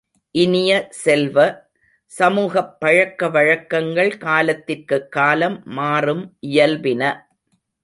இனிய செல்வ, சமூகப் பழக்க வழக்கங்கள் காலத்திற்குக் காலம் மாறும் இயல்பின.